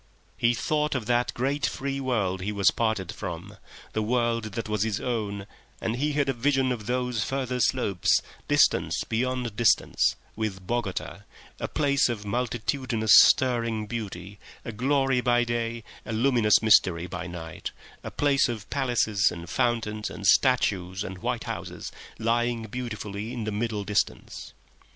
He thought of that great free world that he was parted from, the world that was his own, and he had a vision of those further slopes, distance beyond distance, with Bogota, a place of multitudinous stirring beauty, a glory by day, a luminous mystery by night, a place of palaces and fountains and statues and white houses, lying beautifully in the middle distance.